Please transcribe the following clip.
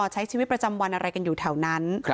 ใช้ชีวิตประจำวันอะไรกันอยู่แถวนั้น